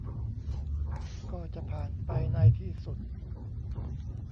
ก็จะผ่านไปในที่สุด